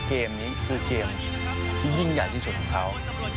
เกมนี้คือเกมที่ยิ่งใหญ่ที่สุดของเขา